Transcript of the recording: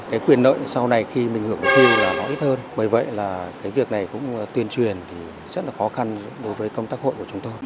cái quyền nợ sau này khi mình hưởng thu là nó ít hơn bởi vậy là cái việc này cũng tuyên truyền thì rất là khó khăn đối với công tác hội của chúng tôi